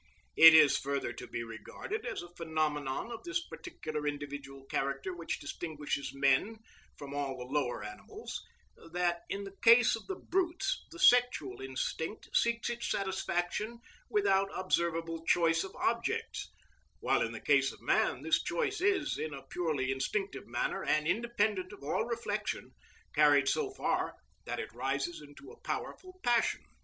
(34) It is further to be regarded as a phenomenon of this peculiar individual character which distinguishes men from all the lower animals, that in the case of the brutes the sexual instinct seeks its satisfaction without observable choice of objects, while in the case of man this choice is, in a purely instinctive manner and independent of all reflection, carried so far that it rises into a powerful passion.